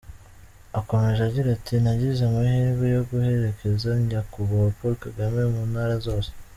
Akomeje agira ati “ Nagize amahirwe yo guherekeza Nyakubahwa Paul Kagame mu ntara zose.